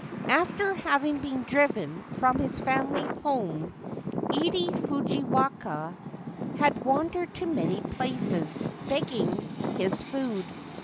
After having been driven from his family home, Ide Fujiwaka had wandered to many places, begging his food.